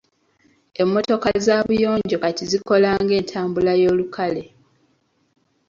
Emmotooka z’abuyonjo kati zikola ng’entambula y’olukale.